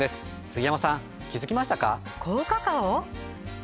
杉山さん気づきましたか？